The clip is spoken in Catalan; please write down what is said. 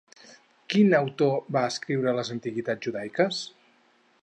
Quin autor va escriure les Antiguitats judaiques?